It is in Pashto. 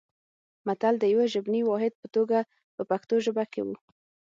متل د یوه ژبني واحد په توګه په پښتو ژبه کې و